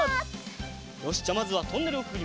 よしじゃあまずはトンネルをくぐります。